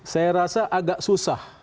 saya rasa agak susah